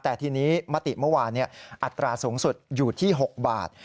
แต่ทีนี้มติเมื่อวานอัตราสูงสุดอยู่ที่๖บาท